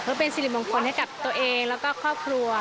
เพื่อเป็นสิริมงคลให้กับตัวเองแล้วก็ครอบครัว